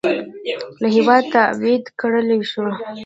له هېواده تبعید کړل شو.